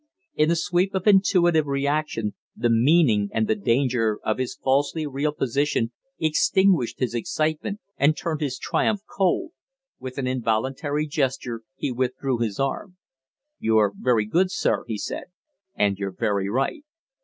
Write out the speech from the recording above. In a sweep of intuitive reaction the meaning and the danger of his falsely real position extinguished his excitement and turned his triumph cold. With an involuntary gesture he withdrew his arm. "You're very good, sir," he said. "And you're very right.